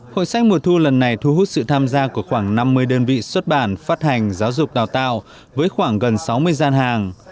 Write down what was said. hội sách mùa thu lần này thu hút sự tham gia của khoảng năm mươi đơn vị xuất bản phát hành giáo dục đào tạo với khoảng gần sáu mươi gian hàng